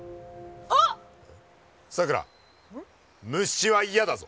さくら虫は嫌だぞ。